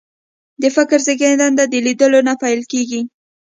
د فکر زېږنده د لیدلو نه پیل کېږي